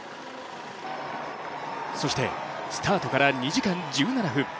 そしてスタートから２時間１７分。